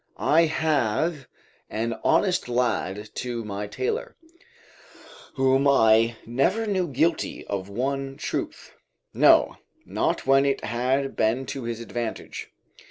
I have an honest lad to my tailor, whom I never knew guilty of one truth, no, not when it had been to his advantage.